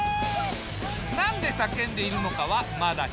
何で叫んでいるのかはまだ秘密。